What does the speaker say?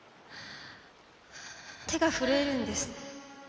手が震えるんです。